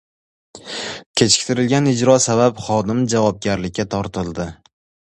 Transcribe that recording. Kechiktirilgan ijro sabab xodim javobgarlikka tortildi